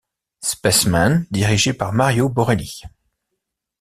Spaceman, dirigé par Mario Borelli.